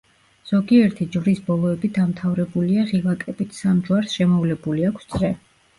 ზოგიერთი ჯვრის ბოლოები დამთავრებულია ღილაკებით, სამ ჯვარს შემოვლებული აქვს წრე.